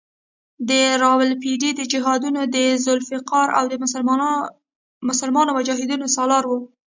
د راولپنډۍ د جهادونو ذوالفقار او د مسلمانو مجاهدینو سالار وو.